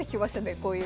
こういうの。